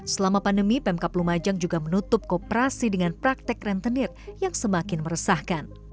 selama pandemi pemkap lumajang juga menutup kooperasi dengan praktek rentenir yang semakin meresahkan